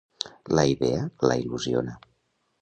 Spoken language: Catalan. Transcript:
La idea la il·lusiona.